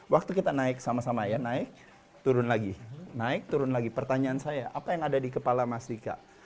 waktu kita naik sama sama ya naik turun lagi naik turun lagi pertanyaan saya apa yang ada di kepala mas dika